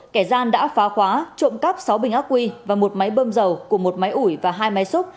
kẻ gian đã phá khóa trộm cắp sáu bình ác quy và một máy bơm dầu cùng một máy ủi và hai máy xúc